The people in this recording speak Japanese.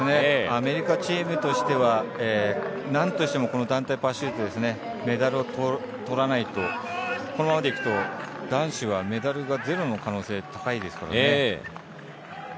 アメリカチームとしては何としても団体パシュートでメダルをとらないとこのままでいくと、男子はメダルがゼロの可能性高いですから。